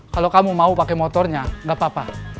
kalau kamu mau pakai motornya nggak apa apa